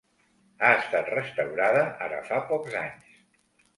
Ha estat restaurada ara fa pocs anys.